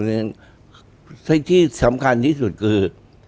และที่สำคัญที่สุดคือ